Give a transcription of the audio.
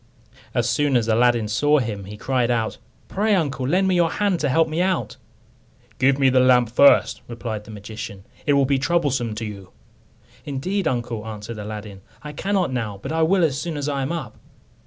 As soon as Aladdin saw him, he cried out, "Pray, uncle, lend me your hand, to help me out." "Give me the lamp first," replied the magician; "it will be troublesome to you," "Indeed, uncle," answered Aladdin, "I cannot now, but I will as soon as I am up."